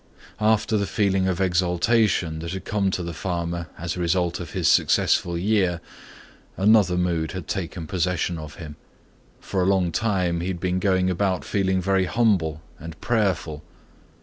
After the feeling of exaltation that had come to the farmer as a result of his successful year, another mood had taken possession of him. For a long time he had been going about feeling very humble and prayerful.